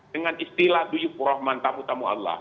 dengan istilah dhu yufur rahman tamu tamu allah